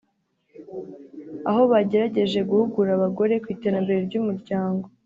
aho bagerageje guhugura abagore ku iterambere ry’umuryango